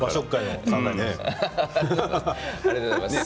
ありがとうございます。